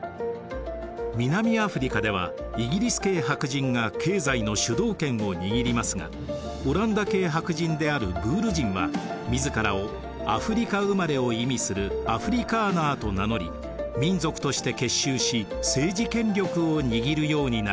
南アフリカではイギリス系白人が経済の主導権を握りますがオランダ系白人であるブール人は自らをアフリカ生まれを意味する「アフリカーナー」と名乗り民族として結集し政治権力を握るようになります。